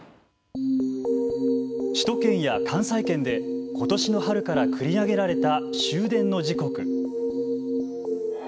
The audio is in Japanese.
首都圏や関西圏でことしの春から繰り上げられた終電の時刻。